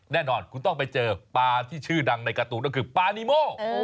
แน่นอนคุณต้องไปเจอปลาที่ชื่อดังในการ์ตูนก็คือปานีโม